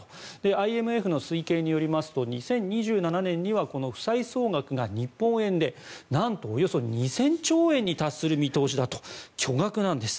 ＩＭＦの推計によりますと２０２７年にはこの負債総額が日本円でなんとおよそ２０００兆円に達する見通しだと巨額なんです。